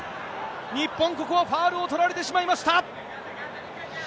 日本、ここはファウルを取られてしまいました。